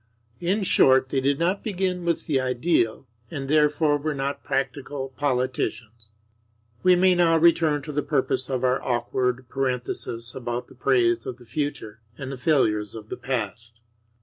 In short, they did not begin with the ideal; and, therefore, were not practical politicians. We may now return to the purpose of our awkward parenthesis about the praise of the future and the failures of the past.